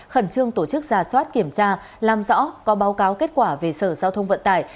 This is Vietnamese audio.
khẩn trương tổ chức ra soát kiểm tra làm rõ có báo cáo kết quả về sở giao thông vận tải